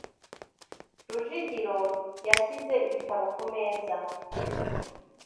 Rujigiro yashyize ibitabo kumeza.